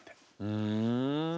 ふん。